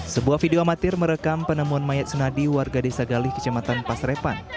sebuah video amatir merekam penemuan mayat sunadi warga desa galih kecamatan pasrepan